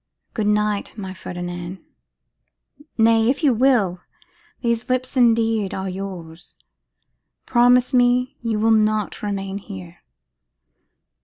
Good night, my Ferdinand. Nay, if you will, these lips indeed are yours. Promise me you will not remain here.